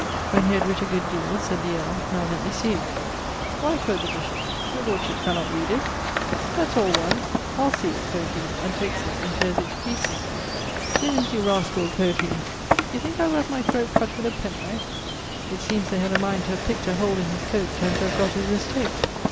When he had writt a good deale, sayd the earle, 'Now lett me see it.' 'Why,' qᵈ the bishop, 'your lordship cannot read it?' 'That's all one: I'le see it,' qᵈ he, and takes it and teares it to pieces: 'Zounds, you rascall,' qᵈ he, 'd'ee thinke I will have my throate cutt with a penknife?' It seemes they had a mind to have pick't a hole in his coate, and to have gott his estate.